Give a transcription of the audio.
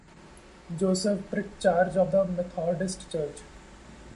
Joseph Pritchard of the Methodist church.